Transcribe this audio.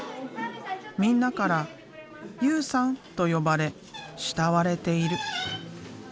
みんなから「雄さん」と呼ばれ慕われている。